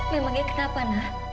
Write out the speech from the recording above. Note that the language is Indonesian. memangnya kenapa nah